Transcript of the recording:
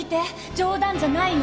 冗談じゃないの！